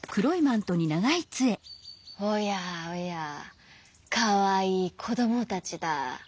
「おやおやかわいいこどもたちだ。